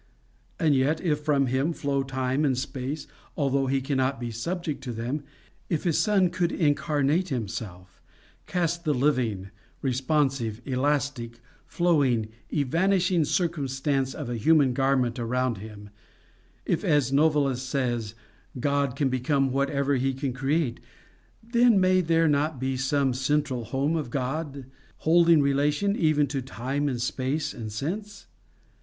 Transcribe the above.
And yet if from him flow time and space, although he cannot be subject to them; if his son could incarnate himself cast the living, responsive, elastic, flowing, evanishing circumstance of a human garment around him; if, as Novalis says, God can become whatever he can create, then may there not be some central home of God, holding relation even to time and space and sense?